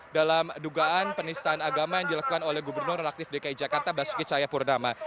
dalam dugaan penistaan agama yang dilakukan oleh gubernur relatif dki jakarta basuki cahaya purnama